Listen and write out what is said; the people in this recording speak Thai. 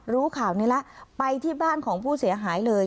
รู้ข่าวนี้แล้วไปที่บ้านของผู้เสียหายเลย